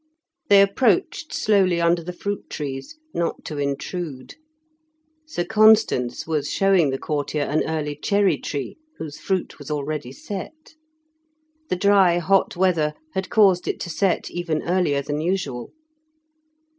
They approached slowly under the fruit trees, not to intrude. Sir Constans was showing the courtier an early cherry tree, whose fruit was already set. The dry hot weather had caused it to set even earlier than usual.